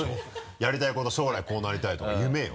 やりたいこと将来こうなりたいとか夢よ。